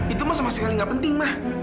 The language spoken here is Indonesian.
itu mah sama sekali gak penting mah